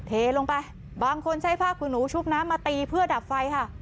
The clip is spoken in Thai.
เทลงไปบางคนใช้ผ้าขุนหนูชุบน้ำมาตีเพื่อดับไฟค่ะ